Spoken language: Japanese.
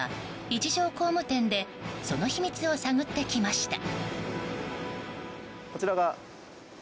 一条工務店でその秘密を探ってきました。